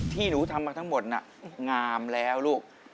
ที่หนูทำมาทั้งหมดน่ะงามแล้วลูก